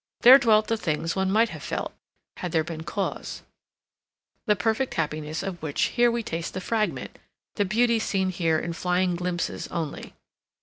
There dwelt the things one might have felt, had there been cause; the perfect happiness of which here we taste the fragment; the beauty seen here in flying glimpses only.